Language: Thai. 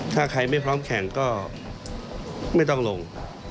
ถ้าใครไม่พร้อมแข่งก็ไม่ต้องลง